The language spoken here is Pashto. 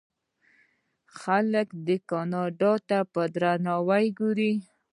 خلک کاناډا ته په درناوي ګوري.